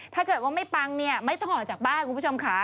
ถ้าเกิดว่าไม่ปังเนี่ยไม่ต้องออกจากบ้านคุณผู้ชมค่ะ